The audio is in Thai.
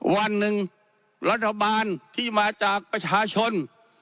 วันหนึ่งรัฐบาลที่มาจากประชาชน